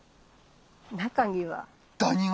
中には。